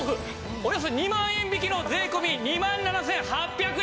およそ２万円引きの税込２万７８００円！